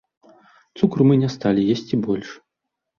Цукру мы не сталі есці больш.